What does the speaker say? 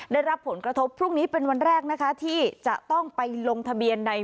ได้รับผลกระทบพรุ่งนี้เป็นวันแรกนะคะที่จะต้องไปลงทะเบียนใน